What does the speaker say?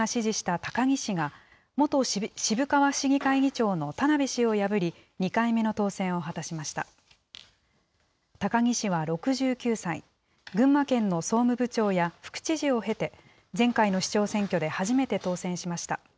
高木氏は６９歳、群馬県の総務部長や副知事を経て、前回の市長選挙で初めて当選しました。